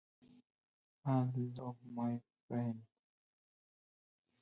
It receives supplementary funding from The Gilder Lehrman Institute of American History.